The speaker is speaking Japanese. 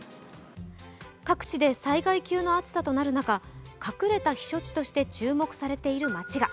各地で災害級の暑さとなる中、隠れた避暑地として注目されている街が。